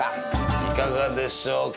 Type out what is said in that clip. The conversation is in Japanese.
いかがでしょうか？